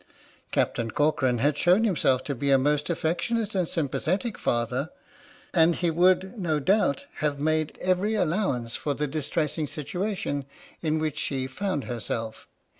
Captain Corcoran had shown himself to be a most affectionate and sym pathetic father, and he would, no doubt, have made every allowance for the distressing situation in which she found herself.